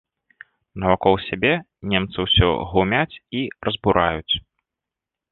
Навакол сябе немцы ўсё глумяць і разбураюць.